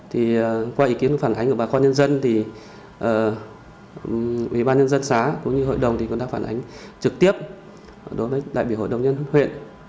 thì qua ý kiến phản ánh của bà con nhân dân thì ubnd xã cũng như hội đồng thì cũng đã phản ánh trực tiếp đối với đại biểu hội đồng nhân huyện